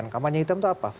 kampanye hitam itu apa